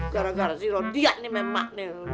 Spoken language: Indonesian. gara gara si rodia nih memang nih